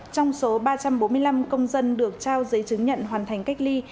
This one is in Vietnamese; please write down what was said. trong số ba trăm bốn mươi năm công dân được trao giấy chứng nhận hoàn thành cách ly